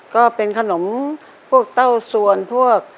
ก็เป็นขนมพวกเต้าสวนพวก